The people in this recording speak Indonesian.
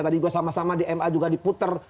tadi gue sama sama di m a juga diputer